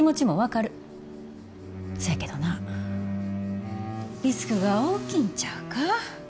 そやけどなリスクが大きいんちゃうか？